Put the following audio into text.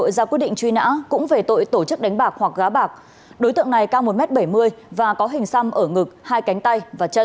xin chào và hẹn gặp lại